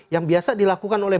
yang biasa dilakukan oleh